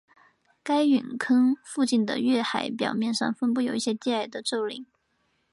该陨坑附近的月海表面上分布有一些低矮的皱岭。